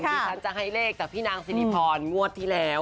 ดิฉันจะให้เลขจากพี่นางสิริพรงวดที่แล้ว